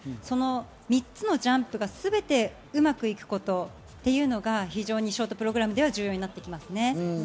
その３つのジャンプがすべてうまくいくことというのが非常にショートプログラムでは重要です。